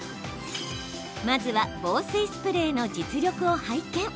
まずは、防水スプレーの実力を拝見。